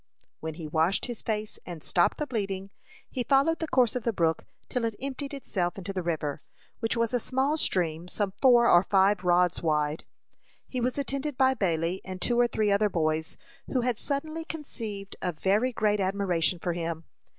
When he had washed his face and stopped the bleeding, he followed the course of the brook, till it emptied itself into the river, which was a small stream some four or five rods wide. He was attended by Bailey and two or three other boys, who had suddenly conceived a very great admiration for him.